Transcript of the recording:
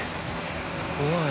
怖い。